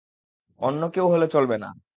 অন্য কেউ হলে চলবে না।